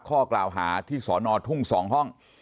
ข้อกล่าวหาที่สอนอทุ่ง๒ห้อง